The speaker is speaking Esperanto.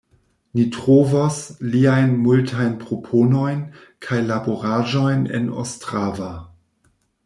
Ni trovos liajn multajn proponojn kaj laboraĵojn en Ostrava.